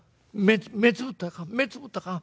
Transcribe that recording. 目つぶったらあかん目つぶったらあかん。